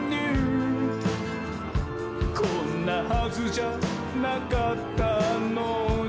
「こんなはずじゃなかったのに」